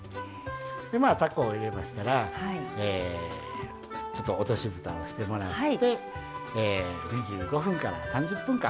でたこを入れましたらちょっと落としぶたをしてもらって２５分から３０分間